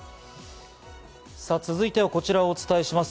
続いてはこちらをお伝えします。